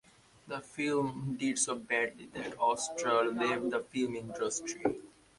The film did so badly that Ostrer left the film industry.